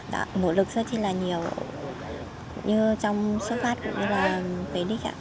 đã nỗ lực rất là nhiều như trong xuất phát cũng như là về đích ạ